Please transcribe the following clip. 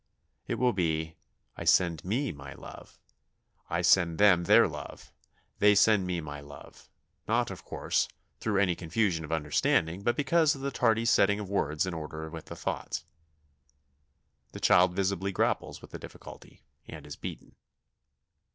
It will be "I send me my love," "I send them their love," "They send me my love"; not, of course, through any confusion of understanding, but because of the tardy setting of words in order with the thoughts. The child visibly grapples with the difficulty, and is beaten.